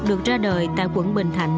được ra đời tại quận bình thạnh